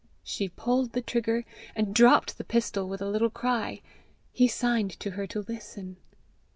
She pulled the trigger, and dropped the pistol with a little cry. He signed to her to listen.